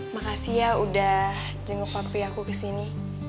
makasih ya udah jenguk waktu aku kesini